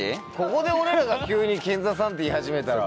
ここで俺らが急にケンザさんって言い始めたら。